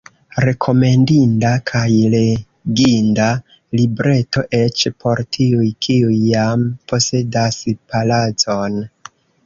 Rekomendinda kaj leginda libreto, eĉ por tiuj, kiuj jam posedas palacon!